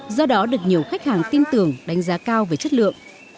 do đó được nhiều khách hàng tin tưởng đánh giá cao về chất lượng